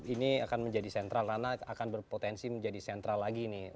ini akan menjadi sentral karena akan berpotensi menjadi sentral lagi nih